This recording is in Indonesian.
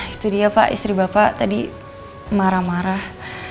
itu dia pak istri bapak tadi marah marah